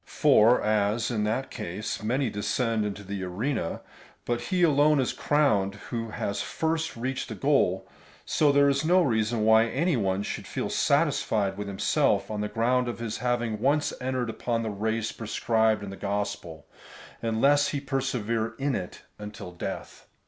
^ For as in that case many descend into the arena, but he alone is crowned who has first reached the goal, so there is no reason wh}' any one should feel satisfied with himself on the ground of his having once entered upon the race prescribed in the gospel, unless he persevere in it until death.